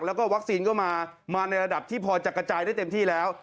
แล้วก็วัคซีนก็มาในระดับที่พอจะกระจายได้เต็มที่แล้ว